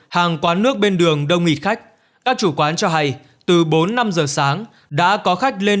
hàng quán nước bên đường đông nghịt khách các chủ quán cho hay từ bốn năm giờ sáng đã có khách lên